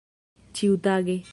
ĉiutage